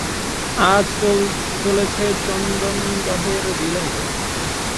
আজ চলেছে চন্দনদহের বিলে।